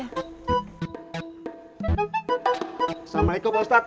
assalamualaikum pak mustaq